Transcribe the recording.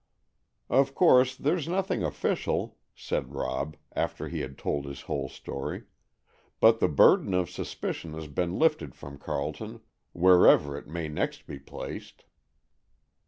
"Of course there's nothing official," said Rob, after he had told his whole story, "but the burden of suspicion has been lifted from Carleton, wherever it may next be placed."